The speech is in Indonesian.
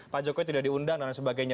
pak jokowi tidak diundang dan sebagainya